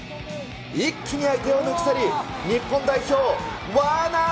一気に相手を抜き去り日本代表、ワーナー。